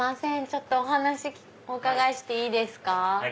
ちょっとお話お伺いしていいですか？